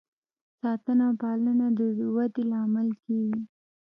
ساتنه او پالنه د ودې لامل کیږي.